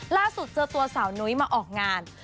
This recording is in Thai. ล่าสุดเจอตัวสาวนุ้ยมาออกงาน